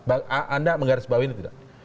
anda menggaris bawah ini tidak